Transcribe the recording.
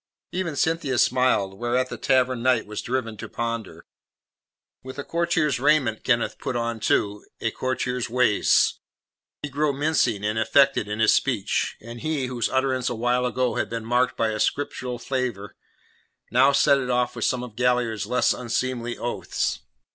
Even Cynthia smiled, whereat the Tavern Knight was driven to ponder. With a courtier's raiment Kenneth put on, too, a courtier's ways; he grew mincing and affected in his speech, and he whose utterance a while ago had been marked by a scriptural flavour now set it off with some of Galliard's less unseemly oaths.